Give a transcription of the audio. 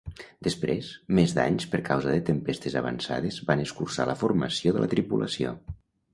Després, més danys per causa de tempestes avançades van escurçar la formació de la tripulació.